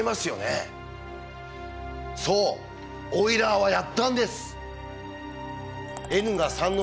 そうオイラーはやったんです！